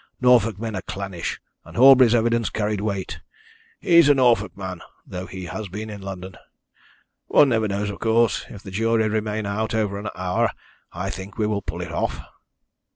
Norfolk men are clannish, and Horbury's evidence carried weight. He is a Norfolk man, though he has been in London. One never knows, of course. If the jury remain out over an hour I think we will pull it off."